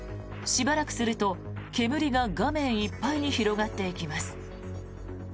しばらくすると煙が画面いっぱいに広がっていきます。